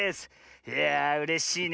いやあうれしいね。